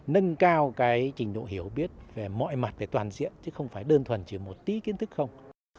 nâng cao cái trình độ hiểu biết về mọi mặt về toàn diện chứ không phải đơn thuần chỉ một tí kiến thức không